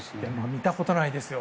見たことないですよ。